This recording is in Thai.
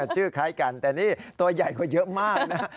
ชื่อคล้ายกันแต่นี่ตัวใหญ่กว่าเยอะมากนะ